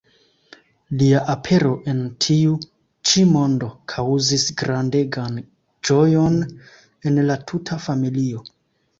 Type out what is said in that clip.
Lia apero en tiu ĉi mondo kaŭzis grandegan ĝojon en la tuta familio.